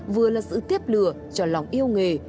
vừa là sự tiếp lửa cho lòng yêu nghề